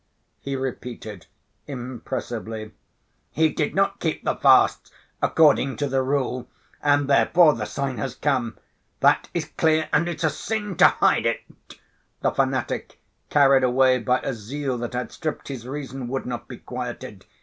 he repeated impressively. "He did not keep the fasts according to the rule and therefore the sign has come. That is clear and it's a sin to hide it," the fanatic, carried away by a zeal that outstripped his reason, would not be quieted.